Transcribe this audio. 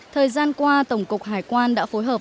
thời gian qua tổng cục hải quan đã phối hợp